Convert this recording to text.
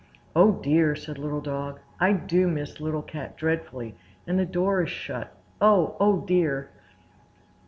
"Oh, dear!" said Little Dog. "I do miss Little Cat dreadfully, and the door is shut. Oh, oh dear!"